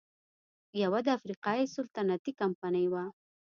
یوه د افریقا سلطنتي کمپنۍ وه.